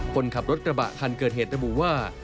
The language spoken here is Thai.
คนขับรถกระบะคันเกิดเหตุระบุว่า